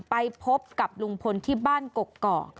ไปพบกับลุงพลที่บ้านกกอก